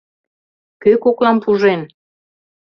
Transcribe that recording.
Кӧ коклам пужен?..